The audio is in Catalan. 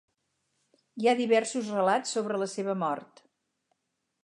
Hi ha diversos relats sobre la seva mort.